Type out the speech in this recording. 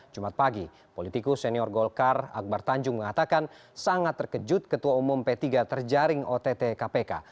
jumat pagi politikus senior golkar akbar tanjung mengatakan sangat terkejut ketua umum p tiga terjaring ott kpk